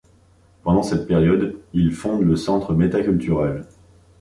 Pendant cette période il fonde le Centre Métaculturel.